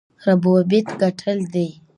ربوبیت ګټل دی.